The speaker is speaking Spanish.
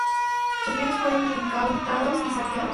Sus bienes fueron incautados y saqueados.